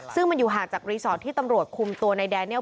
ซึ่งมันอยู่ห่างจากรีสอร์ทที่ตำรวจคุมตัวในแดเนียล